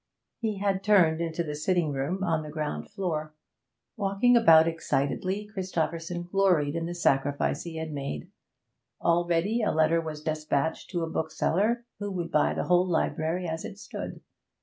He had turned into the sitting room on the ground floor. Walking about excitedly, Christopherson gloried in the sacrifice he had made. Already a letter was despatched to a bookseller, who would buy the whole library as it stood.